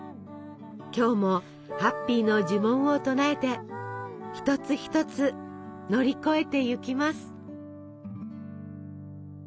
きょうも「ハッピー」の呪文を唱えて一つ一つ乗り越えていきます。